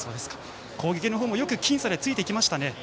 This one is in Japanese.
攻撃のほうもよく僅差でついていきましたね。